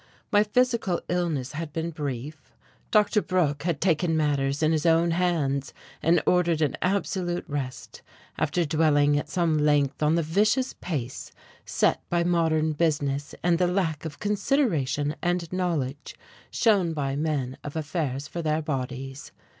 My physical illness had been brief. Dr. Brooke had taken matters in his own hands and ordered an absolute rest, after dwelling at some length on the vicious pace set by modern business and the lack of consideration and knowledge shown by men of affairs for their bodies.